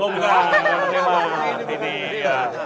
oh enggak ini bukan penerima